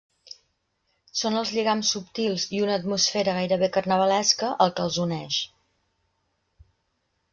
Són els lligams subtils i una atmosfera gairebé carnavalesca el que els uneix.